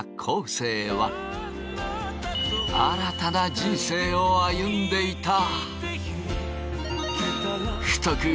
生は新たな人生を歩んでいた。